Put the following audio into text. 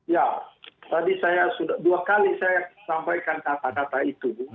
ya tadi dua kali saya sampaikan kata kata itu